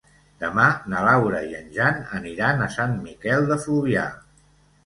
Demà na Laura i en Jan aniran a Sant Miquel de Fluvià.